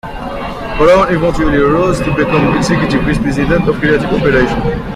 Brown eventually rose to become executive vice president of creative operations.